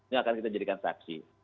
yang akan kita jadikan saksi